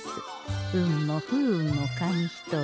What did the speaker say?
運も不運も紙一重。